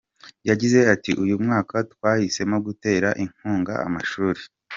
Yagize ati “Uyu mwaka twahisemo gutera inkunga amashuri.